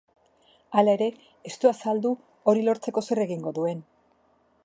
Hala ere, ez du azaldu hori lortzeko zer egingo duen.